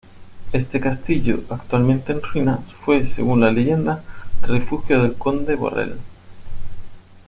Este castillo, actualmente en ruinas, fue, según la leyenda, refugio del conde Borrell.